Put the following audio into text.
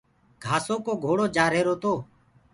گھآسو ڪو گھوڙو جآ رهرو تو۔